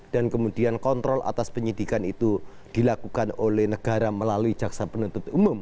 dan kemudian kontrol atas penyidikan itu dilakukan oleh negara melalui jaksa penentu umum